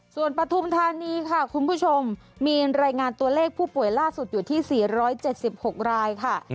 ส่วนปฐุมธานีค่ะคุณผู้ชมมีรายงานตัวเลขผู้ป่วยล่าสุดอยู่ที่๔๗๖รายค่ะ